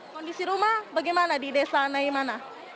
kondisi rumah bagaimana di desa naimana